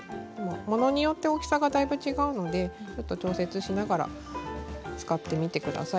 ものによって大きさが違うので調節しながら使ってみてください。